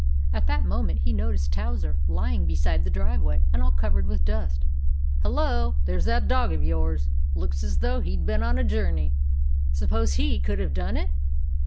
At that moment he noticed Towser, lying beside the driveway and all covered with dust. "Hullo! There's that dog of yours! Looks as though he 'd been on a journey. Suppose he could have done it